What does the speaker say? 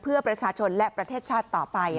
เพื่อประชาชนและประเทศชาติต่อไป